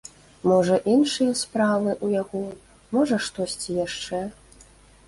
Можа іншыя справы ў яго, можа штосьці яшчэ.